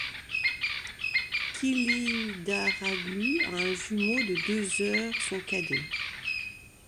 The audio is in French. Kılıçdaroğlu a un jumeau de deux heures son cadet.